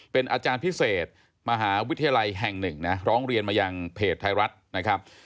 เป็นอาจารย์พิเศษมหาวิทยาลัยแห่งหนึ่งนะร้องเรียนมายังเพจไทยรัฐนะครับ